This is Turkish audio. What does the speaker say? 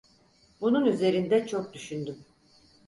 Bunun üzerinde çok düşündüm.